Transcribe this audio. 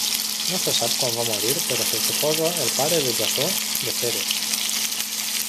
No se sap quan va morir però se'l suposa el pare de Jasó de Feres.